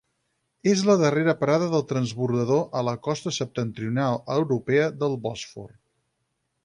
És la darrera parada del transbordador a la costa septentrional europea del Bòsfor.